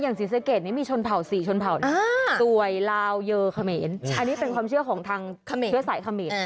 อย่างศิษย์เกดนี่มีชนเผ่าสี่ชนเผ่าตวยลาวเยอเขมนอันนี้เป็นความเชื่อของทางเชื่อใส่เขมน